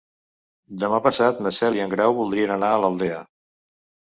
Demà passat na Cel i en Grau voldrien anar a l'Aldea.